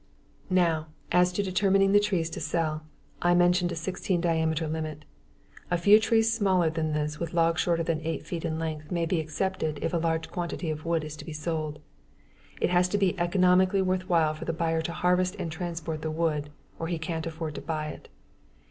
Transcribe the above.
Now, as to determining the trees to sell. I mentioned a 16 inch diameter limit. A few trees smaller than this with logs shorter than 8 feet in length may be accepted if a large quantity of wood is to be sold. It has to be economically worth while for the buyer to harvest and transport the wood, or he can't afford to buy it.